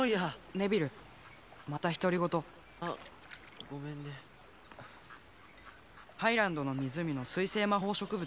ネビルまた独り言あっごめんねハイランドの湖の水生魔法植物？